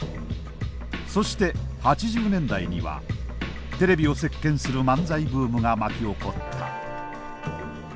そして８０年代にはテレビを席けんする漫才ブームが巻き起こった。